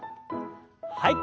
はい。